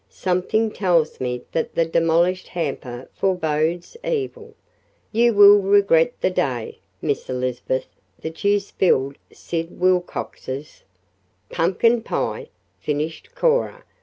"Something tells me that the demolished hamper forbodes evil. You will regret the day, Miss Elizabeth, that you spilled Sid Wilcox's " "Pumpkin pie," finished Cora.